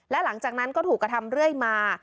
และหลังจากนั้นก็ถูกกระทำเรื่อยมา